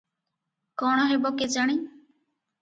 କଣ ହେବ କେଜାଣି?